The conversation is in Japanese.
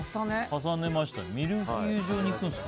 重ねましたね。